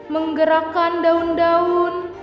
menggerakkan daun daun